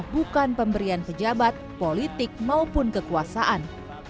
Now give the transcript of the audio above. bukan pemberian pejabat politik maupun kekuasaan